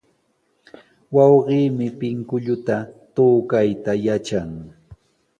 Wawqiimi pinkulluta tukayta yatran.